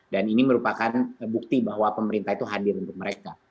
dan ini merupakan bukti bahwa pemerintah itu hadir untuk mereka